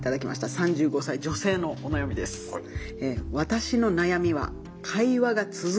３５歳女性のお悩みです。という。